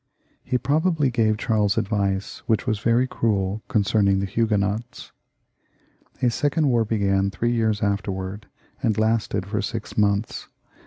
He probably gave Charles advice which was very cruel towards the Huguenots. A second war began three^ years afterwards, and lasted for six months.